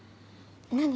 何？